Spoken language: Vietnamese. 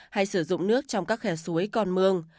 hay sử dụng nước trong các khe suối con mương